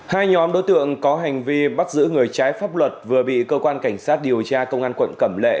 hai nhóm đối tượng có hành vi bắt giữ người trái pháp luật vừa bị cơ quan cảnh sát điều tra công an quận cẩm lệ